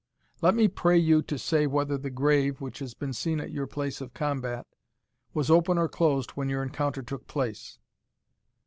Let me pray you to say whether the grave, which has been seen at your place of combat, was open or closed when your encounter took place?"